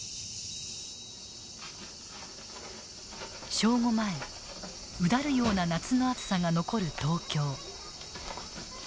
正午前うだるような夏の暑さが残る東京。